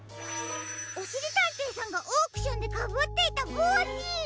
おしりたんていさんがオークションでかぶっていたぼうし！